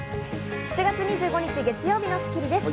７月２５日、月曜日の『スッキリ』です。